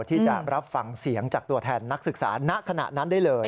ที่จะรับฟังเสียงจากตัวแทนนักศึกษาณขณะนั้นได้เลย